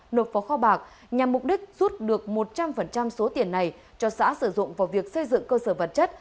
nộp vào kho bạc nhằm mục đích rút được một trăm linh số tiền này cho xã sử dụng vào việc xây dựng cơ sở vật chất